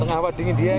tengah apa dingin dia